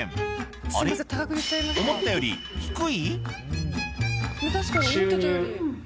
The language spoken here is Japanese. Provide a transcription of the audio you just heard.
あれ、思ったより低い！